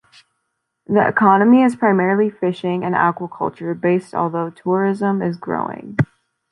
The economy is primarily fishing and aquaculture based although tourism is growing.